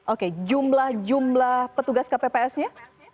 oke jumlah jumlah petugas kpps nya